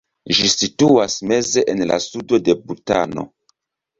Ĝi situas meze en la sudo de Butano.